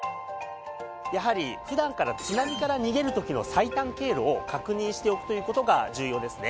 やはり普段から津波から逃げる時の最短経路を確認しておくという事が重要ですね。